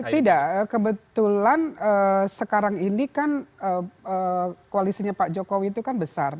tidak kebetulan sekarang ini kan koalisinya pak jokowi itu kan besar